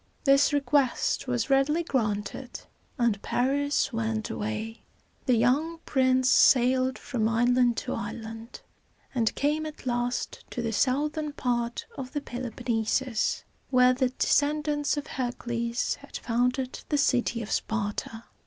This request was readily granted, and Paris went away. The young prince sailed from island to island, and came at last to the southern part of the Peloponnesus, where the descendants of Hercules had founded the city of Sparta.